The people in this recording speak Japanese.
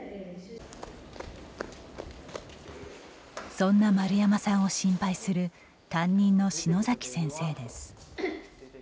そんな丸山さんを心配する担任の篠崎先生です。